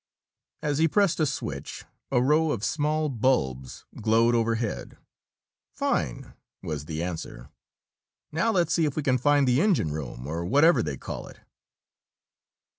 As he pressed a switch, a row of small bulbs glowed overhead. "Fine!" was the answer. "Now let's see if we can find the engine room, or whatever they call it."